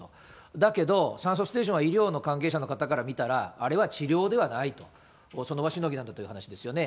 だけど酸素ステーションは医療の関係者の方から見たら、あれは治療ではないと、その場しのぎなんだという話ですよね。